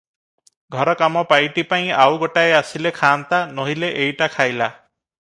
ଘର କାମ ପାଇଟିପାଇଁ ଆଉ ଗୋଟାଏ ଆସିଲେ ଖାଆନ୍ତା, ନୋହିଲେ ଏଇଟା ଖାଇଲା ।